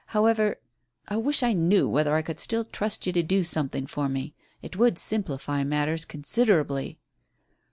However I wish I knew whether I could still trust you to do something for me. It would simplify matters considerably."